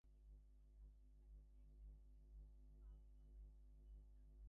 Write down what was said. One issue involves the stacking of 'meta' issues within a computer model.